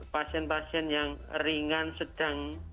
pasien pasien yang ringan sedang